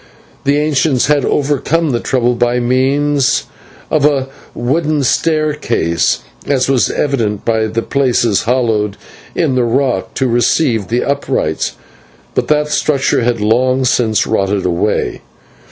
The ancients had overcome the trouble by means of a wooden staircase, as was evident from the places hollowed in the rock to receive the uprights, but this structure had long since rotted away.